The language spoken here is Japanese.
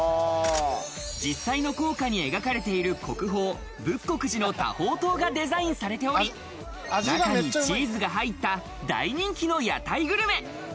実際の硬貨に描かれている国宝・仏国寺の多宝塔がデザインされており、中にチーズが入った大人気の屋台グルメ。